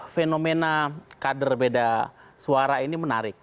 fenomena kader beda suara ini menarik